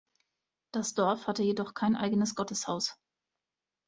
Das Dorf hatte jedoch kein eigenes Gotteshaus.